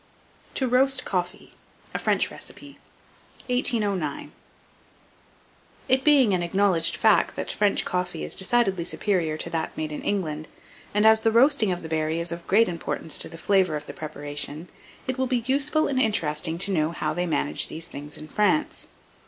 TO ROAST COFFEE. (A French Recipe.) 1809. It being an acknowledged fact that French coffee is decidedly superior to that made in England, and as the roasting of the berry is of great importance to the flavour of the preparation, it will be useful and interesting to know how they manage these things in France.